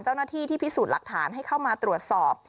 เจ้าหน้าที่ที่พิสูจน์หลักฐานให้เข้ามาตรวจสอบ